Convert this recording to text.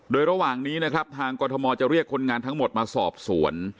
และระหว่างนี้ทางกธมจะเรียกคนงานทั้งหมดมาสอบส่วน